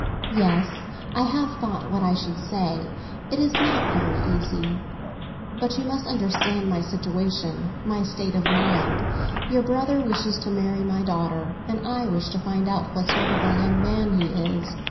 "Yes; I have thought what I should say. It is not very easy." "But you must understand my situation—my state of mind. Your brother wishes to marry my daughter, and I wish to find out what sort of a young man he is.